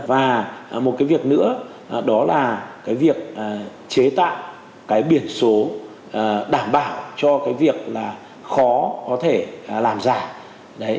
và một cái việc nữa đó là cái việc chế tạo cái biển số đảm bảo cho cái việc là khó có thể làm giả